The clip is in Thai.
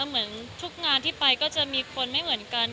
มีทุกงานที่ไปมีคนไม่เหมือนกัน